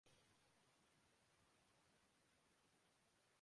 when Parnell نے بھی Kolpak deal پر دستخط کردیے